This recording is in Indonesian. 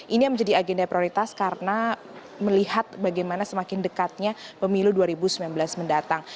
ini yang menjadi agenda prioritas karena melihat bagaimana semakin dekatnya pemilu dua ribu sembilan belas mendatang